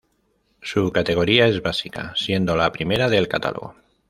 Su categoría es básica, siendo la primera del catálogo.